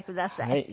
はい。